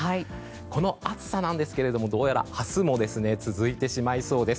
この暑さなんですけどもどうやら明日も続いてしまいそうです。